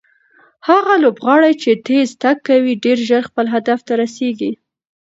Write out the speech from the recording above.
هغه لوبغاړی چې تېز تګ کوي ډېر ژر خپل هدف ته رسیږي.